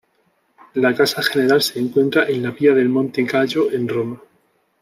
La casa general se encuentra en la vía del Monte Gallo en Roma.